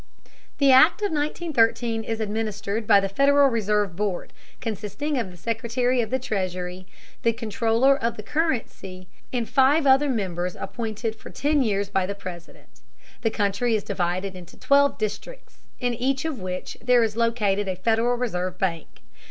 The Act of 1913 is administered by the Federal Reserve Board, consisting of the Secretary of the Treasury and the Comptroller of the Currency, ex officio, and five other members appointed for ten years by the President. The country is divided into twelve districts, in each of which there is located a Federal Reserve bank.